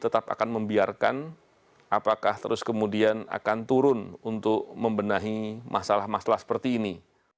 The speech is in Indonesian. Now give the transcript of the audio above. terus kemudian akan turun untuk membenahi masalah masalah seperti ini